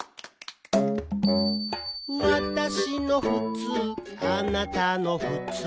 「私のふつう、あなたのふつう、」